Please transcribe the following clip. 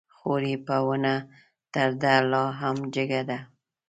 خور يې په ونه تر ده لا هم جګه ده